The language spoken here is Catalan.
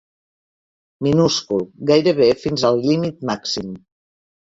Minúscul, gairebé fins al límit màxim.